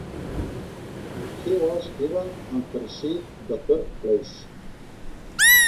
He was given and received the third place.